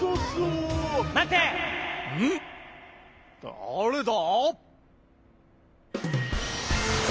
だれだ！？